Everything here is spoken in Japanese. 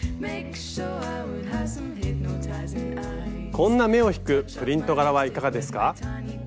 こんな目を引くプリント柄はいかがですか？